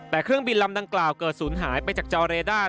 แต่เครื่องบินลำดังกล่าวเกิดศูนย์หายไปจากจอเรด้า